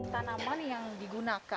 tanaman yang digunakan adalah perut